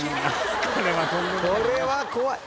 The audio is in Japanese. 「これは怖い」